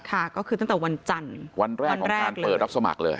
ค่ะก็คือตั้งแต่วันจันทร์วันแรกของการเปิดรับสมัครเลย